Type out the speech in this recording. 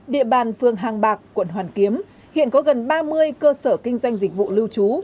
địa bàn phường hàng bạc quận hoàn kiếm hiện có gần ba mươi cơ sở kinh doanh dịch vụ lưu trú